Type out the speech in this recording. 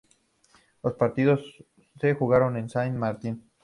Los partidos se jugaron en Saint Martin.